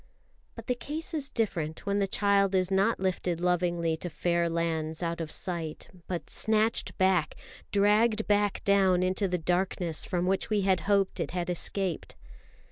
But the case is different when the child is not lifted lovingly to fair lands out of sight, but snatched back, dragged back down into the darkness from which we had hoped it had escaped.